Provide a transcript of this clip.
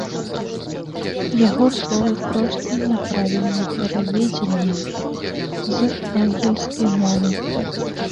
Яго словы проста няправільна пераведзеныя з ангельскай мовы.